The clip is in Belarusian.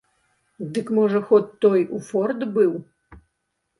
Дык, можа, ход той у форт быў.